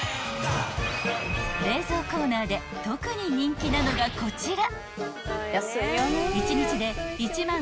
［冷蔵コーナーで特に人気なのがこちら］